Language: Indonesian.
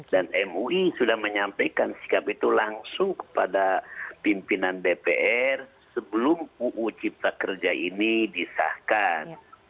mui sudah menyampaikan sikap itu langsung kepada pimpinan dpr sebelum uu cipta kerja ini disahkan